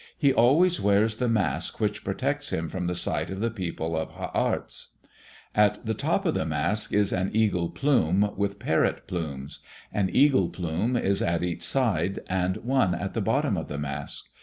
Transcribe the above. He always wears the mask which protects him from the sight of the people of Ha arts. At the top of the mask is an eagle plume with parrot plumes; an eagle plume is at each side, and one at the bottom of the mask.